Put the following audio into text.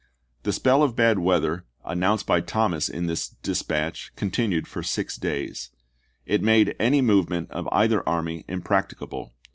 The spell of bad weather announced by Thomas in this dispatch continued for six days. It made any movement of either army impracticable.